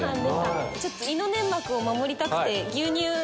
胃の粘膜を守りたくて牛乳。